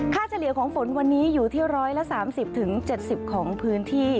เฉลี่ยของฝนวันนี้อยู่ที่๑๓๐๗๐ของพื้นที่